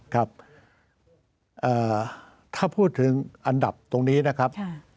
ครับถ้าพูดถึงอันดับตรงนี้นะครับ